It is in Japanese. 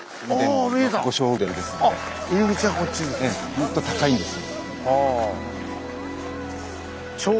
もっと高いんです。